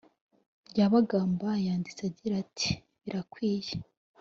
Ryabagamba yanditse agira ati”birakwiye”